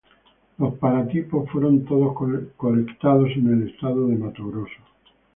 Los paratipos fueron todos colectados en el estado de Mato Grosso.